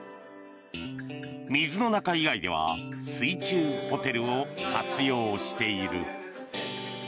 水の中以外では水中ホテルを活用している。